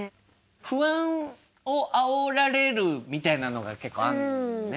不安をあおられるみたいなのが結構あるもんね。